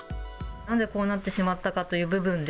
なぜこうなってしまったかという部分で。